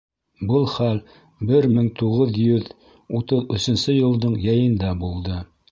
Был хәл бер мең туғыҙ йөҙ утыҙ өсөнсө йылдың йәйендә булды.